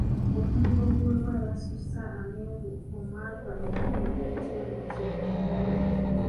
Omwenge oguweebwa abaasusa amenvu omwava omwenge guyitibwa gutya?